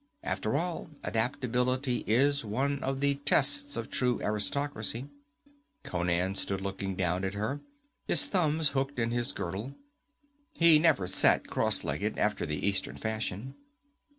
After all, adaptability is one of the tests of true aristocracy. Conan stood looking down at her, his thumbs hooked in his girdle. He never sat cross legged, after the Eastern fashion.